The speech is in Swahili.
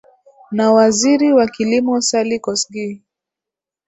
na waziri wa kilimo salley kosgey